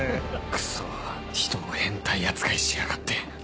クソひとを変態扱いしやがって